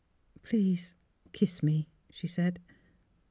" Please kiss me," she said.